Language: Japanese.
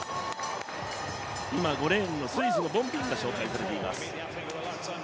今、５レーンのスイスのボンビンが紹介されています。